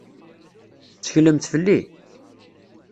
Tetteklemt fell-i?